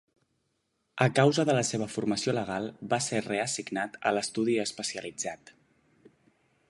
A causa de la seva formació legal, va ser reassignat a l'estudi especialitzat.